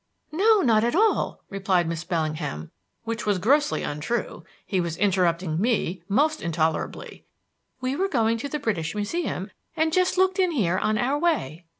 "No, not at all," replied Miss Bellingham (which was grossly untrue; he was interrupting me most intolerably); "we were going to the British Museum and just looked in here on our way."